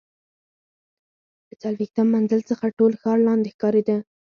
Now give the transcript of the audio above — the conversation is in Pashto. له څلوېښتم منزل څخه ټول ښار لاندې ښکارېده.